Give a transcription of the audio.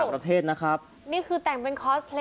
เรย์